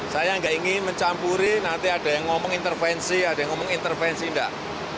saya nggak ingin mencampuri nanti ada yang ngomong intervensi ada yang ngomong intervensi enggak